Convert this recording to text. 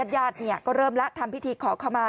ญาติก็เริ่มแล้วทำพิธีขอขมา